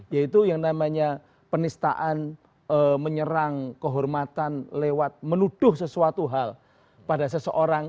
yaitu yang namanya penistaan menyerang kehormatan lewat menuduh sesuatu hal pada seseorang